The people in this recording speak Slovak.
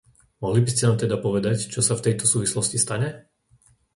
Mohli by ste nám teda povedať, čo sa v tejto súvislosti stane?